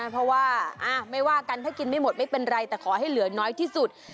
เพราะว่าไม่ว่ากันถ้ากินไม่หมดไม่เป็นไรแต่ขอให้เหลือน้อยที่สุด